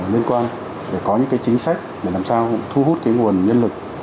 liên quan phải có những cái chính sách để làm sao thu hút cái nguồn nhân lực